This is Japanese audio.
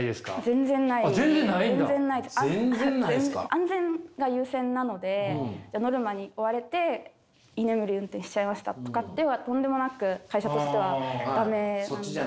安全が優先なのでノルマに追われて居眠り運転しちゃいましたとかはとんでもなく会社としては駄目なんで。